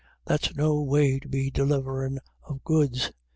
That's no way to be deliverin' of goods.